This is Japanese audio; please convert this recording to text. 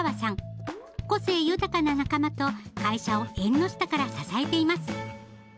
個性豊かな仲間と会社を縁の下から支えています。